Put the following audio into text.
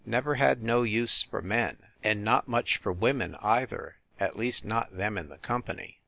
Never had no use for men and not much for women, either, at least not them in the company.